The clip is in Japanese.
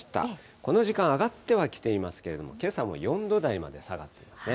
この時間、上がってはきていますけれども、けさも４度台まで下がっていますね。